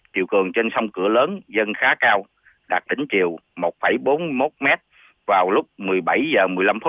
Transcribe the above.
triều cường trên sông cửa lớn dân khá cao đạt tỉnh triều một bốn mươi một m vào lúc một mươi bảy h một mươi năm